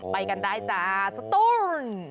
ไปกันได้จ๊ะสตูร์น